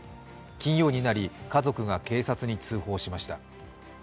金曜になり家族が警察に通報しました。